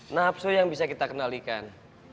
nafsu yang bisa kita kenalikan